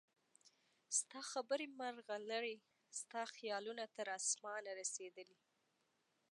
ستا خبرې مرغلرې ستا خیالونه تر اسمانه رسیدلي